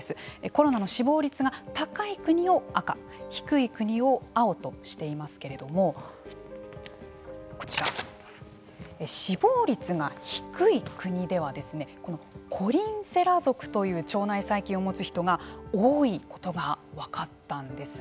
コロナの死亡率が高い国を赤低い国を青としていますけれどもこちら死亡率が低い国ではコリンセラ属という腸内細菌を持つ人が多いことが分かったんです。